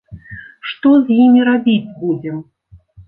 Што з імі рабіць будзем?